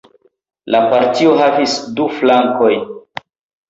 La partio havis du flankojn.